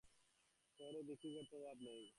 শহরে ভিক্ষুকের তো অভাব নেই।